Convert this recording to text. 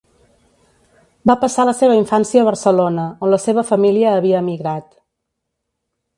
Va passar la seva infància a Barcelona, on la seva família havia emigrat.